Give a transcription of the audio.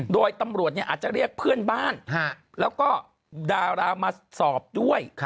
โดยตำรวจอาจจะเรียกเพื่อนบ้านแล้วก็ดารามาสอบด้วย